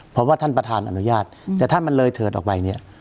เพราะว่าท่านประธานอนุญาตแต่ถ้ามันเลยเถิดออกไปเนี่ย